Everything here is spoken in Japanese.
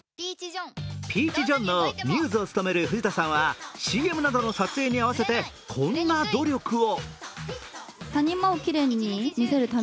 ＰＥＡＣＨＪＯＨＮのミューズを務める藤田さんはＣＭなどの撮影に合わせてこんな努力を。